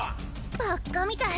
ばっかみたい。